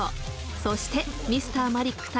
そしてＭｒ．マリック対